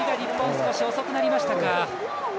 少し遅くなりましたか。